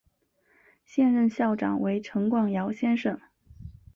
现任校长为陈广尧先生。